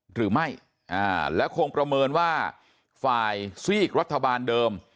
หรือไม่และคงประเมินว่าฝ่ายซีกรัฐบาลเดิม